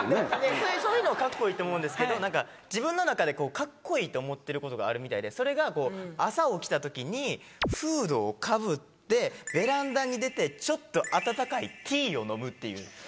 そういうのは格好いいと思うんですけど自分の中で格好いいと思ってることがあるみたいでそれがこう朝起きたときにフードをかぶってベランダに出てちょっと温かいティーを飲むっていう。